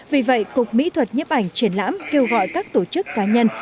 vì vậy cục mỹ thuật nhếp ảnh triển lãm kêu gọi các tổ chức cá nhân